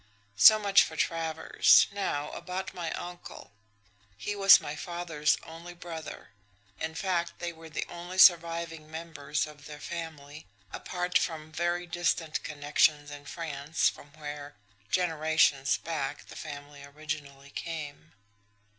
So much for Travers. Now about my uncle. He was my father's only brother; in fact, they were the only surviving members of their family, apart from very distant connections in France, from where, generations back, the family originally came."